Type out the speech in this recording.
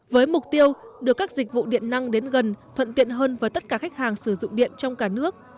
với mục tiêu đưa các dịch vụ điện năng đến gần thuận tiện hơn với tất cả khách hàng sử dụng điện trong cả nước